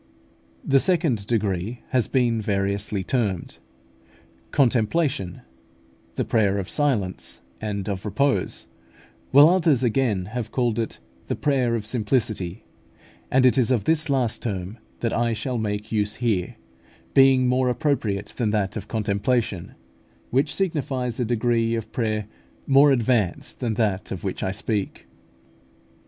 The second degree has been variously termed Contemplation, The Prayer of Silence, and of repose; while others again have called it the Prayer of Simplicity; and it is of this last term that I shall make use here, being more appropriate than that of Contemplation, which signifies a degree of prayer more advanced than that of which I speak.